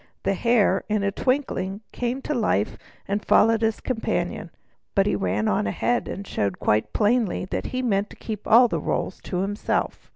The Hare in a twinkling came to life, and followed his companion. But he ran on ahead, and showed quite plainly that he meant to keep the rolls all to himself.